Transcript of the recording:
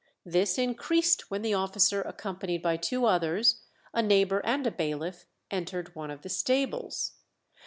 This increased when the officer, accompanied by two others, a neighbour and a bailiff, entered one of the stables.